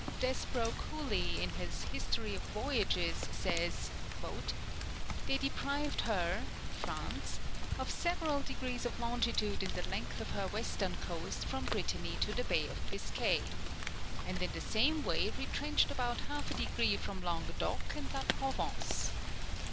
Desborough Cooley in his "History of Voyages," says, "They deprived her (France) of several degrees of longitude in the length of her western coast, from Brittany to the Bay of Biscay. And in the same way retrenched about half a degree from Languedoc and La Provence."